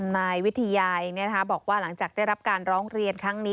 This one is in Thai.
นายวิทยาบอกว่าหลังจากได้รับการร้องเรียนครั้งนี้